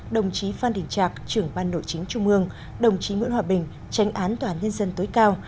đồng chí phan đình trạc trưởng ban nội chính trung ương đồng chí nguyễn hòa bình tránh án tòa án nhân dân tối cao